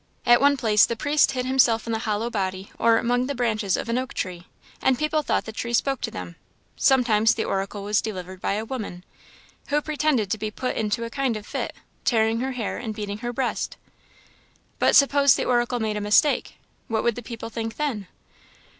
At one place the priest hid himself in the hollow body or among the branches of an oak tree, and people thought the tree spoke to them. Sometimes the oracle was delivered by a woman, who pretended to be put into a kind of fit tearing her hair and beating her breast." "But suppose the oracle made a mistake what would the people think then?"